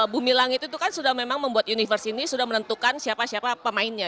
bumi langit itu kan sudah memang membuat universe ini sudah menentukan siapa siapa pemainnya